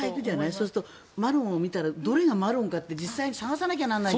そうするとマロンを見たらどれがマロンかって実際に探さなきゃいけない。